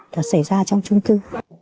đã xảy ra trong trung cư